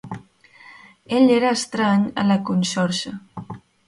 Ell era estrany a la conxorxa.